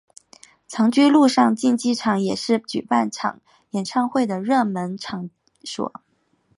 长居陆上竞技场也是举办演唱会的热门场地。